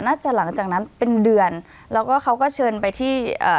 หลังจากนั้นเป็นเดือนแล้วก็เขาก็เชิญไปที่เอ่อ